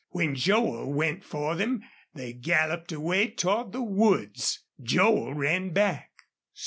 When Joel went for them they galloped away toward the woods. Joel ran back.